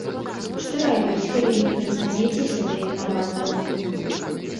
Што рабіць, калі вы не прызнаеце сябе вінаватым?